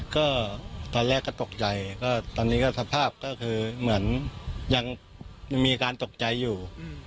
ก็ตอนแรกก็ตกใจก็ตอนนี้ก็สภาพก็คือเหมือนยังมีการตกใจอยู่